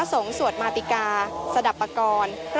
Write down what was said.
พาคุณผู้ชมไปติดตามบรรยากาศกันที่วัดอรุณราชวรรมหาวิหารค่ะ